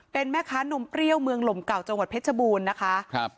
เป็นแม่ค้านมเปรี้ยวเมืองหลมเก่าจังหวัดเพชรบูรณ์นะคะครับ